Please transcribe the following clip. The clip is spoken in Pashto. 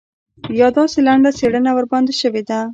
یا داسې لنډه څېړنه ورباندې شوې ده.